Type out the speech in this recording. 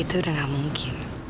itu udah gak mungkin